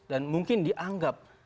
dan mungkin dianggap